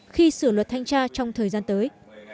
khi sửa luật thanh tra trong thời gian tới